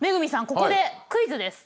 ここでクイズです。